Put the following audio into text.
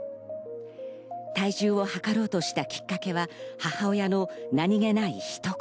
体重を測ろうとしたきっかけは母親の何げないひと言。